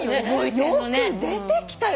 よく出てきたよ。